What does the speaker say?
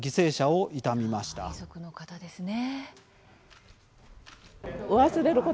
ご遺族の方ですね。